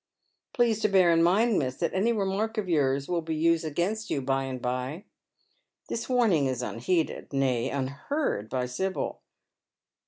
Please to bear in mind, miss, that any remark of yours will be used against you by and bye." This warning is unheeded, nay, unheard by Sibyl.